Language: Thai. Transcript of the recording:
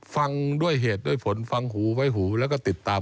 ฟังด้วยเหตุด้วยผลฟังหูไว้หูแล้วก็ติดตาม